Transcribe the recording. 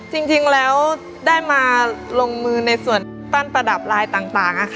จริงแล้วได้มาลงมือในส่วนปั้นประดับลายต่าง